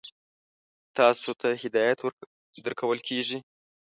تاسو ته هدایت درکول کېږي.